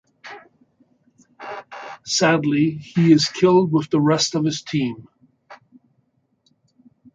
Sadly, he is killed with the rest of his team.